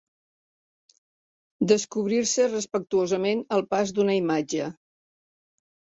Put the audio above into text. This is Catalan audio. Descobrir-se respectuosament al pas d'una imatge.